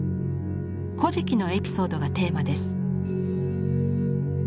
「古事記」のエピソードがテーマです。